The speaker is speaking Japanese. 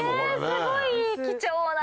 すごい貴重な。